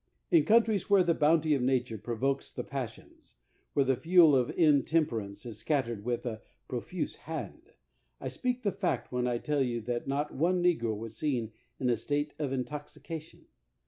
In countries where the bount>' of nature provokes the passions, where the fuel of intemperance is scattered with a pro fuse hand, I speak the fact when I tell that not one negro was seen in a state of intoxication.